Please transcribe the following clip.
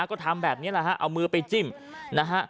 ก็ทำแบบนี้แหละฮะเอามือไปจิ้มนะฮะ